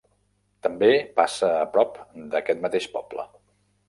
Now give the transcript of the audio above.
També passa a prop d'aquest mateix poble.